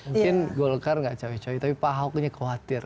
mungkin golkar gak cawe cawe tapi pak ahok ini khawatir